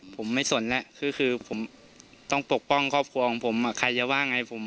ผมไม่สนแล้วคือผมต้องปกป้องครอบครัวของผมใครจะว่าไง